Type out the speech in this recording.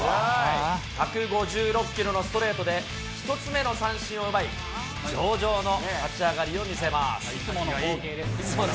１５６キロのストレートで１つ目の三振を奪い、上々の立ち上がりいつもの光景ですね。